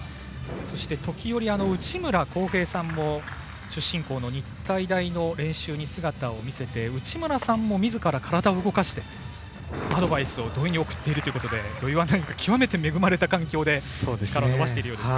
そして時折、内村航平さんも出身校の日体大の練習に姿を見せて内村さんもみずから体を動かしてアドバイスを送っているということで土井は極めて恵まれた環境で力を伸ばしているようです。